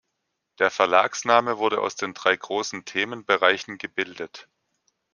Der Verlagsname wurde aus den drei großen Themenbereichen gebildet.